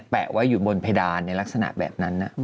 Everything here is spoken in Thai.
แปะไว้อยู่บนเพดานในลักษณะแบบนั้น